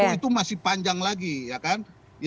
itu masih panjang lagi ya kan